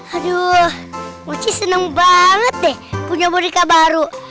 aduh mochi seneng banget deh punya boneka baru